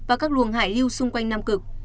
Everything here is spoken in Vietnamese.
và các luồng hải lưu xung quanh nam cực